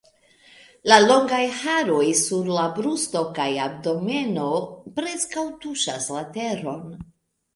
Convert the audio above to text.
La longaj haroj sur la brusto kaj abdomeno preskaŭ tuŝas la teron.